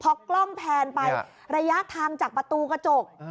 พอกล้องแพนไประยะทางจากประตูกระจก